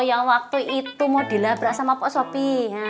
yang waktu itu mau dilabrak sama pak sopi